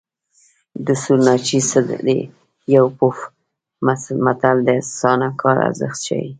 د سورناچي څه دي یو پو دی متل د اسانه کار ارزښت ښيي